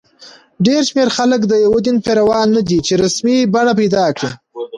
ډېر شمېر خلک د یو دین پیروان نه دي چې رسمي بڼه پیدا کړي.